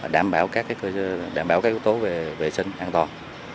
đảm bảo các yếu tố về vệ sinh an toàn